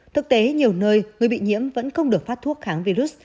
thực tế nhiều nơi người bị nhiễm vẫn không được phát thuốc kháng virus